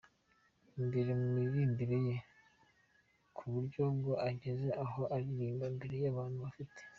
imbere mu miririmbire ye ku buryo ngo ageze aho aririmba imbere yabantu afite.